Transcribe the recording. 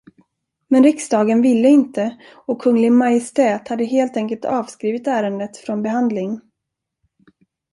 Men riksdagen ville inte, och Kunglig Majestät hade helt enkelt avskrivit ärendet från behandling.